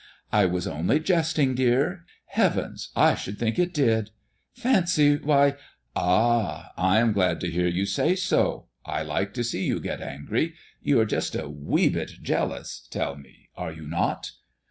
"I was only jesting, dear. Heavens! I should think it did! Fancy! Why " "Ah, I am glad to hear you say so. I like to see you get angry. You are just a wee bit jealous, tell me, are you not?